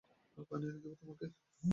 পানি এনে দিবো তোমাকে?